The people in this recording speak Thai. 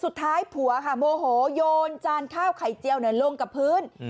สุดท้ายผัวค่ะโมโหโยนจานข้าวไข่เจียวลงกับพื้น